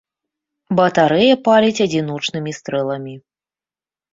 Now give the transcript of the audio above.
Батарэя паліць адзіночнымі стрэламі.